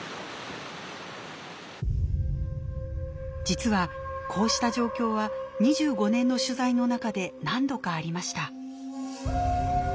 実はこうした状況は２５年の取材の中で何度かありました。